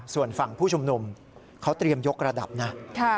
ส่วนฝั่งผู้ชุมนุมเขาเตรียมยกระดับนะ